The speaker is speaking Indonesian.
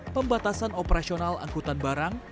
pembatasan operasional angkutan barang